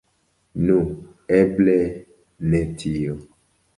Nu, eble ne tio.